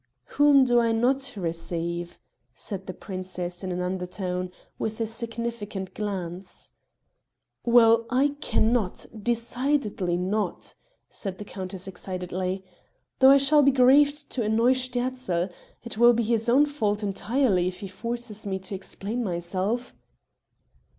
"Whom do I not receive?" said the princess in an undertone, with a significant glance. "Well I cannot decidedly not," said the countess excitedly, "though I shall be grieved to annoy Sterzl. It will be his own fault entirely if he forces me to explain myself."